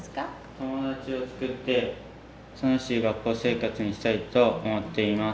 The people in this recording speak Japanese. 友達を作って楽しい学校生活にしたいと思っています。